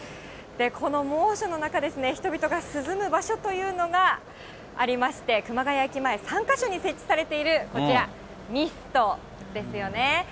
この猛暑の中ですね、人々が涼む場所というのが、ありまして、熊谷駅前、３か所に設置されている、こちら、ミストですよね。